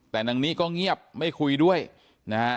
แต่นางนิก็เงียบไม่คุยด้วยนะฮะ